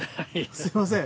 すみません